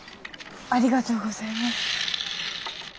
ありがとうございます。